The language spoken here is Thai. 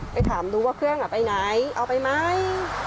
ไปถามดูว่าเครื่องไปไหนเอาไปไหม